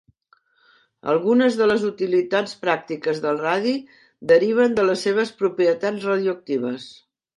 Algunes de les utilitats pràctiques del radi deriven de les seves propietats radioactives.